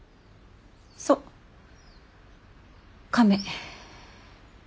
そう亀。